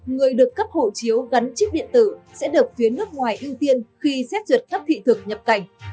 người được cấp hộ chiếu gắn chip điện tử sẽ được phía nước ngoài ưu tiên khi xét duyệt cấp thị thực nhập cảnh